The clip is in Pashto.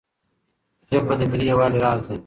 ژبه د ملي یووالي راز دی.